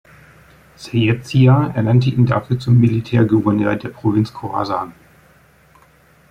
Seyyed Zia ernannte ihn dafür zum Militärgouverneur der Provinz Chorasan.